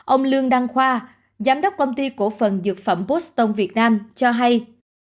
ông lương đăng khoa giám đốc công ty cổ phần dược phẩm poston việt nam cho hay